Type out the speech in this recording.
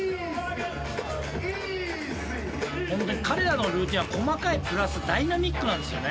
彼らのルーティーンは細かいプラスダイナミックなんですよね。